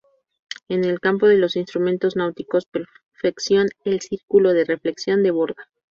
En el campo de los instrumentos náuticos, perfeccionó el círculo de reflexión de Borda.